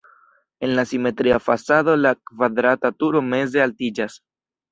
En la simetria fasado la kvadrata turo meze altiĝas.